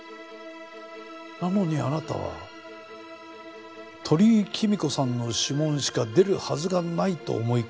なのにあなたは鳥居貴美子さんの指紋しか出るはずがないと思い込んでいた。